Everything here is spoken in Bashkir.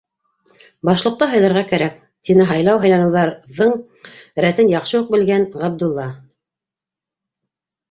- Башлыҡты һайларға кәрәк, - тине һайлау-һайланыуҙарҙың рәтен яҡшы уҡ белгән Ғабдулла.